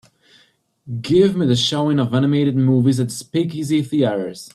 Give me the showing of animated movies at Speakeasy Theaters